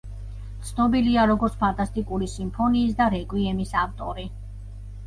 ცნობილია, როგორც „ფანტასტიკური სიმფონიის“ და „რეკვიემის“ ავტორი.